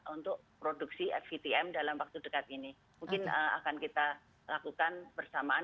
untuk produksi fvtm dalam waktu dekat ini mungkin akan kita lakukan bersamaan